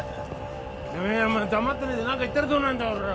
てめえ黙ってねえで何か言ったらどうなんだおらっ！